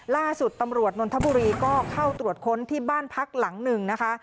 ล่าสุดตำรวจนนทบุรีก็เข้าตรวจค้นที่บ้านพักหลังหนึ่งนะคะ